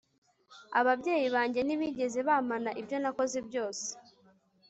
Ababyeyi banjye ntibigeze bampana ibyo nakoze byose